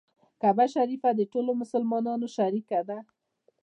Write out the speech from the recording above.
کعبه شریفه د ټولو مسلمانانو شریکه ده.